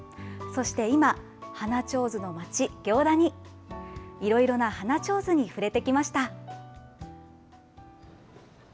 そして今、花ちょうずの町、行田に、いろいろな花ちょうずに触れてきました。